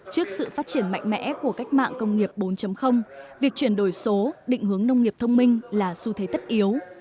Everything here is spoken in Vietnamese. trước sự phát triển mạnh mẽ của cách mạng công nghiệp bốn việc chuyển đổi số định hướng nông nghiệp thông minh là xu thế tất yếu